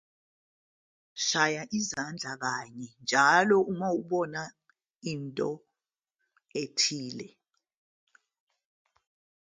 Shaya izandla kanye njalo uma ubona into ethile.